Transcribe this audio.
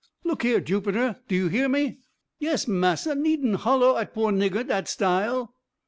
Look here, Jupiter, do you hear me?" "Yes, massa, needn't hollo at poor nigger dat style."